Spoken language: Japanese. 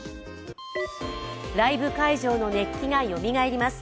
ライブ会場の熱気がよみがえります。